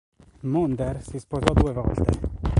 Maunder si sposò due volte.